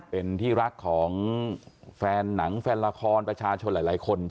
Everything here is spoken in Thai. เป็นที่รักของแฟนหนังแฟนละครประชาชนหลายคน